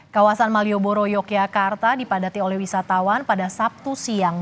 kawasan malioboro yogyakarta dipadati oleh wisatawan pada sabtu siang